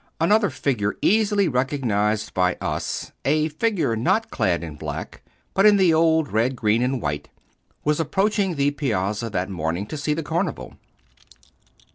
Another figure easily recognised by us—a figure not clad in black, but in the old red, green, and white—was approaching the Piazza that morning to see the Carnival.